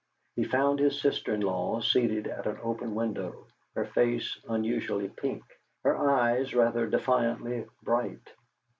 He found his sister in law seated at an open window, her face unusually pink, her eyes rather defiantly bright.